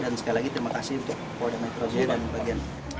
dan sekali lagi terima kasih untuk polda metro jaya dan bagian